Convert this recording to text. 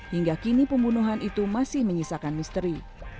hingga kini pembunuhan itu masih menyisakan misteri